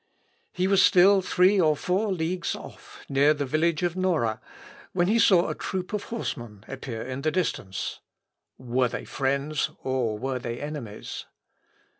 He was still three or four leagues off, near the village of Nora, when he saw a troop of horsemen appear in the distance. Were they friends, or were they enemies?